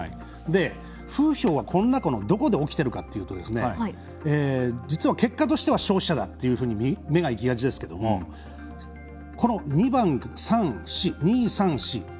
風評は、この中のどこで起きてるかっていうと実は、結果としては消費者だと目がいきがちですけどもこの２、３、４。